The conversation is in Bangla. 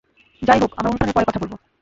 যাইহোক, আমরা অনুষ্ঠানের পরে কথা বলবো।